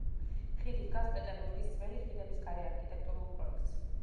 ხიდი ჰგავს პეტერბურგის ძველი ხიდების გარე არქიტექტურულ პროექტს.